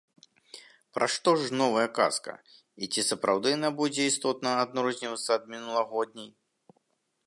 Пра што ж новая казка, і ці сапраўды яна будзе істотна адрознівацца ад мінулагодняй??